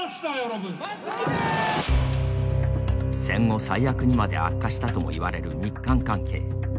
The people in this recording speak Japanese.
戦後最悪にまで悪化したとも言われる日韓関係。